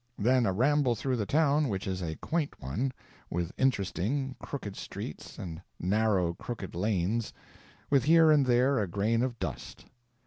Then a ramble through the town, which is a quaint one, with interesting, crooked streets, and narrow, crooked lanes, with here and there a grain of dust.